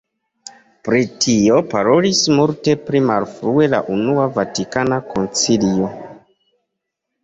Pri tio parolis multe pli malfrue la Unua Vatikana Koncilio.